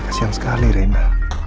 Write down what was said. kasihan sekali reina